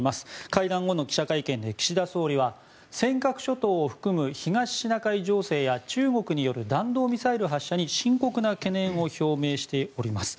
会談後の記者会見で岸田総理は尖閣諸島を含む東シナ海情勢や中国による弾道ミサイル発射に深刻な懸念を表明しております。